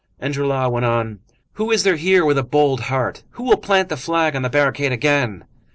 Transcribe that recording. Enjolras went on:— "Who is there here with a bold heart? Who will plant the flag on the barricade again?"